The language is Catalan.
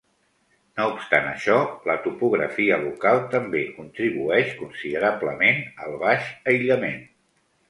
No obstant això, la topografia local també contribueix considerablement al baix aïllament.